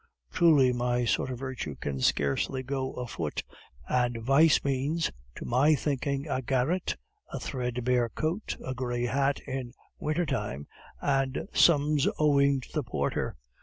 "Truly my sort of virtue can scarcely go afoot, and vice means, to my thinking, a garret, a threadbare coat, a gray hat in winter time, and sums owing to the porter....